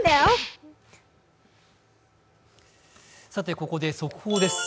ここで速報です。